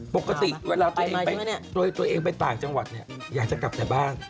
ปกติเวลาตัวเองไปต่างจังหวัดเนี่ยอยากจะกลับแต่บ้าน